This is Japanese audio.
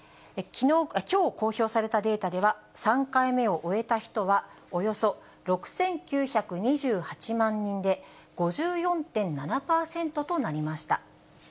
きょう公表されたデータでは、３回目を終えた人は、およそ６９２８万人で５４．７％となりました。